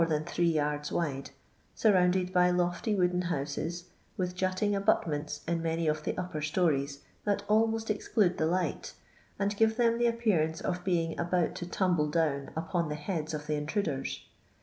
than three yards wide, surrounded by lofty wooden houses, with jutting abutments in many of the upper stories that almo^it exclude the light, and give them the appearance of being about to tumble dowq upon the heads of the intruders.